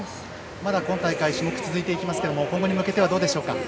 まだ今大会種目続いていきますが今後に向けてはどうでしょうか？